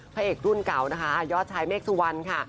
พระเอกรุ่นเก่านะคะยอดชายเมฆสุวรรณค่ะ